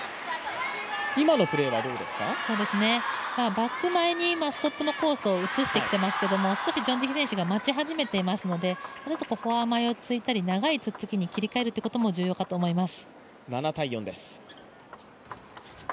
バック前に今のコースを移してきてますけど少しチョン・ジヒが待ち始めていますので、少しフォア前に切り替えたり長いつつきに切り替えることも重要かと思います。